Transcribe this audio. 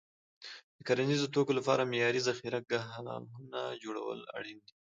د کرنیزو توکو لپاره معیاري ذخیره ګاهونه جوړول اړین دي.